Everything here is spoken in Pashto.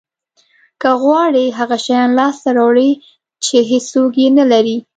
که غواړی هغه شیان لاسته راوړی چې هیڅوک یې نه لري